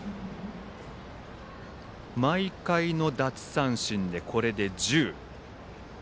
毎回の奪三振で、これで１０。